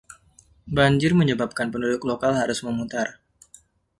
Banjir menyebabkan penduduk lokal harus memutar.